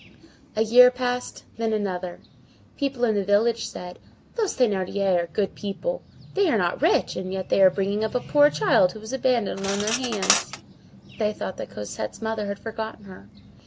A year passed; then another. People in the village said:— "Those Thénardiers are good people. They are not rich, and yet they are bringing up a poor child who was abandoned on their hands!" They thought that Cosette's mother had forgotten her.